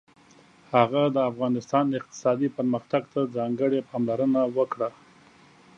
هغه د افغانستان اقتصادي پرمختګ ته ځانګړې پاملرنه وکړه.